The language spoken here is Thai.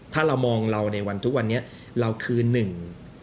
ถ้าเรามองเราในวันทุกวันนี้เราคือหนึ่ง